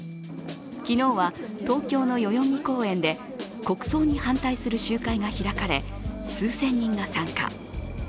昨日は東京の代々木公園で国葬に反対する集会が開かれ数千人が参加。